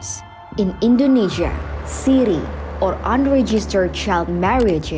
di indonesia terdapat lebih banyak